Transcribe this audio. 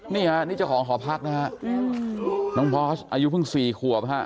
นี่ฮะนี่เจ้าของหอพักนะฮะน้องพอร์สอายุเพิ่ง๔ขวบฮะ